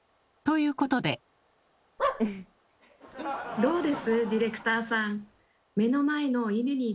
どうです？